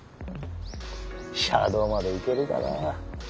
車道まで行けるかなぁ。